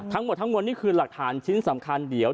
ทั้งหมดทั้งมวลนี่คือหลักฐานชิ้นสำคัญเดี๋ยว